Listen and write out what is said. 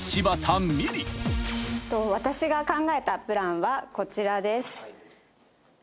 私が考えたプランはこちらです。